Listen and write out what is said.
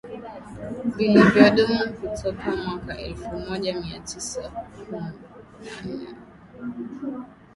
vilivyodumu kutoka mwaka elfu moja mia tisa kumu na nne